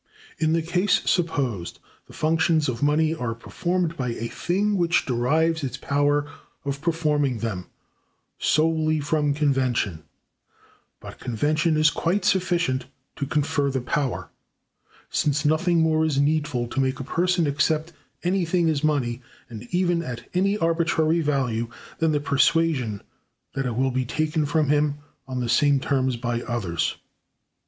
In the case supposed, the functions of money are performed by a thing which derives its power of performing them solely from convention; but convention is quite sufficient to confer the power; since nothing more is needful to make a person accept anything as money, and even at any arbitrary value, than the persuasion that it will be taken from him on the same terms by others.